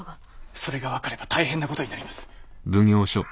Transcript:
それが分かれば大変な事になります。